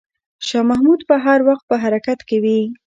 شاه محمود به هر وخت په حرکت کې وي.